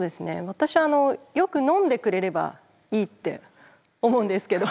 私はよく飲んでくれればいいって思うんですけど。